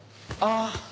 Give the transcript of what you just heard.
ああ。